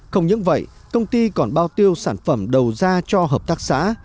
không những vậy công ty còn bao tiêu sản phẩm đầu ra cho hợp tác xã